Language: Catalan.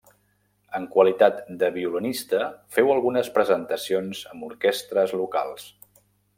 En qualitat de violinista féu algunes presentacions amb orquestres locals.